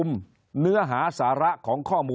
คนในวงการสื่อ๓๐องค์กร